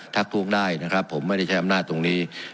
ทักทวงได้นะครับผมไม่ได้ใช้อำนาจตรงนี้